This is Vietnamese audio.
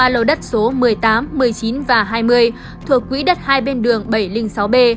ba lô đất số một mươi tám một mươi chín và hai mươi thuộc quỹ đất hai bên đường bảy trăm linh sáu b